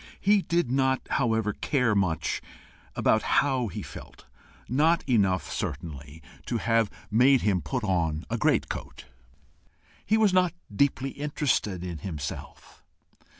He did not, however, much care how he felt not enough, certainly, to have made him put on a great coat: he was not deeply interested in himself.